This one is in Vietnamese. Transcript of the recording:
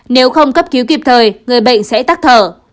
nếu không cấp cứu kịp thời người bệnh sẽ tắc thở